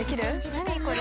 何これ？